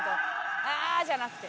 「」「あーっ！」じゃなくて。